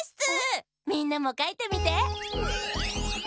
みんなもかいてみて！